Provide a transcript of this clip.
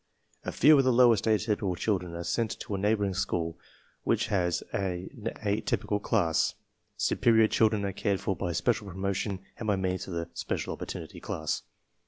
A few of the lowest atypical children are seiit to a neighboring school which has an atypical class. Su perior children are cared for by special promotion and by means of the special opportunity class.